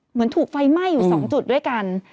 เหมือนถูกไฟไหม้อยู่๒จุดด้วยกัน